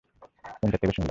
Centre থেকে শুনলাম।